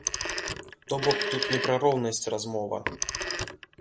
То-бок тут не пра роўнасць размова.